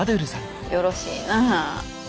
よろしいな。